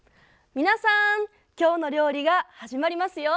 皆さん「きょうの料理」が始まりますよ。